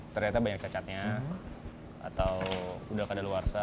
ternyata banyak kecatnya atau udah kadang luarsa